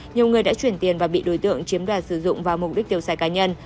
nhiều người đã chuyển tiền và bị đối tượng chiếm đoạt sử dụng vào mục đích tiêu xài cá nhân